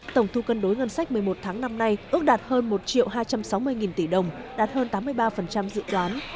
tổng thu cân đối ngân sách một mươi một tháng năm nay ước đạt hơn một hai trăm sáu mươi tỷ đồng đạt hơn tám mươi ba dự toán